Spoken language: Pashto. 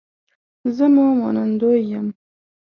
زه مو منندوی یم